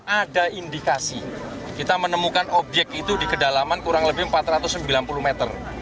ada indikasi kita menemukan obyek itu di kedalaman kurang lebih empat ratus sembilan puluh meter